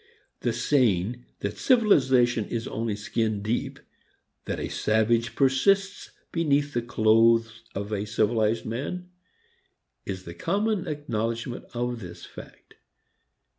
The saying that civilization is only skin deep, that a savage persists beneath the clothes of a civilized man, is the common acknowledgment of this fact.